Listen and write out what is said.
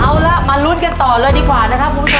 เอาล่ะมารุ้นกันต่อเลยดีกว่านะครับ